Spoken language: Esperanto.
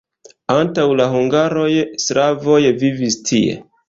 Antaŭ la hungaroj slavoj vivis tie.